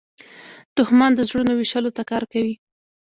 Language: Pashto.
دښمن د زړونو ویشلو ته کار کوي